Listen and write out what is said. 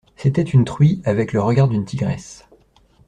C'était une truie avec le regard d'une tigresse.